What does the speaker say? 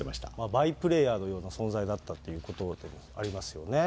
バイプレーヤーのような存在だったということでもありますよ